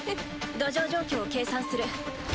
土壌状況を計算する。